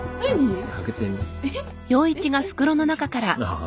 ああ。